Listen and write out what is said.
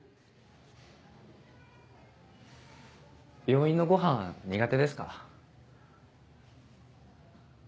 ・病院のごはん苦手ですか？